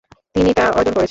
তিনি তা অর্জন করেছেন।